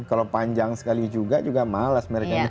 kalau panjang sekali juga juga malas mereka